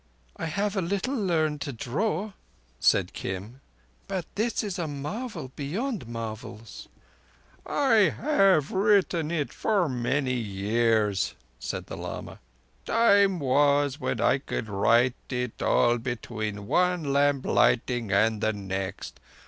"I have a little learned to draw," said Kim. "But this is a marvel beyond marvels." "I have written it for many years," said the lama. "Time was when I could write it all between one lamp lighting and the next.